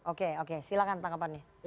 oke silahkan pak kapani